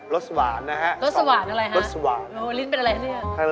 รสหวานนะฮะ